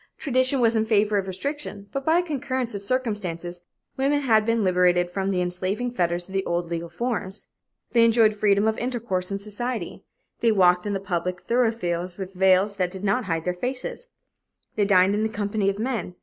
Tradition was in favor of restriction, but by a concurrence of circumstances, women had been liberated from the enslaving fetters of the old legal forms. They enjoyed freedom of intercourse in society. They walked in the public thoroughfares with veils that did not hide their faces. They dined in the company of men.